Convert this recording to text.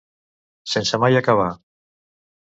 Sense mai acabar.